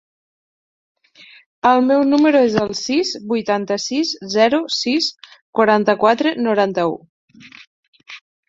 El meu número es el sis, vuitanta-sis, zero, sis, quaranta-quatre, noranta-u.